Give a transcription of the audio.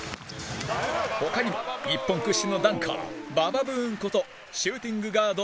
他にも、日本屈指のダンカーＢＡＢＡＢＯＯＭことシューティングガード